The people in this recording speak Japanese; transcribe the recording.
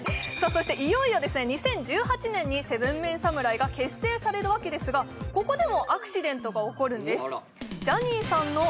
そしていよいよ２０１８年に７ＭＥＮ侍が結成されるわけですがここでもアクシデントが起こるんです